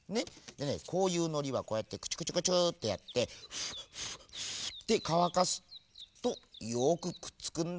でねこういうのりはこうやってクチュクチュクチュッてやって。ってかわかすとよくくっつくんだ。